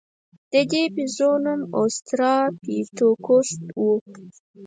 د دې بیزو نوم اوسترالوپیتکوس و.